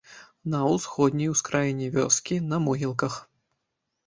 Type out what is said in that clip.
На ўсходняй ускраіне вёскі, на могілках.